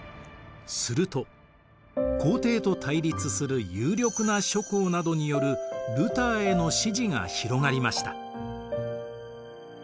すると皇帝と対立する有力な諸侯などによるルターへの支持が広がりました。